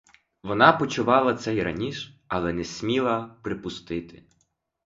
Вона почувала це й раніш, але не сміла припустити.